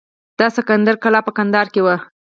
د اسکندر کلا په کندهار کې وه